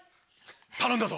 頼んだぞ。